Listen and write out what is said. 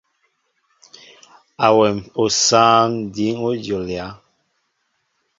Awém osɛm diŋ a jolia.